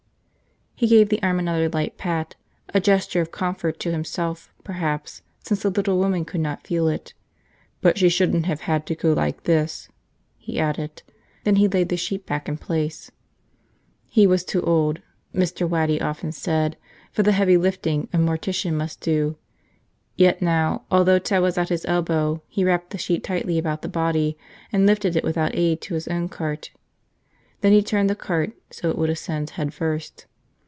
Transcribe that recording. He gave the arm another light pat, a gesture of comfort to himself, perhaps, since the little woman could not feel it. "But she shouldn't have had to go like this," he added. Then he laid the sheet back in place. He was too old, Mr. Waddy often said, for the heavy lifting a mortician must do; yet now, although Ted was at his elbow, he wrapped the sheet tightly about the body and lifted it without aid to his own cart. Then he turned the cart so it would ascend headfirst.